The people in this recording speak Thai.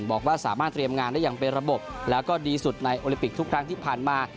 บอกว่าสามารถเตรียมงานได้อย่างเป็นระบบแล้วก็ดีสุดในโอลิปิกทุกครั้งที่ผ่านมา